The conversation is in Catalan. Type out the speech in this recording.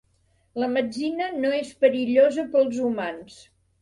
La metzina no és perillosa pels humans.